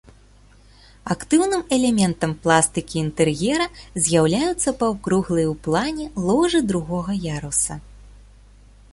Актыўным элементам пластыкі інтэр'ера з'яўляюцца паўкруглыя ў плане ложы другога яруса.